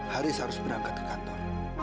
haris harus berangkat ke kantor